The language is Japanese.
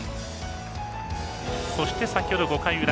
そして先ほど５回裏。